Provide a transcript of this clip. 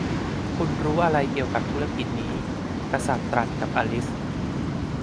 'คุณรู้อะไรเกี่ยวกับธุรกิจนี้' กษัตริย์ตรัสกับอลิซ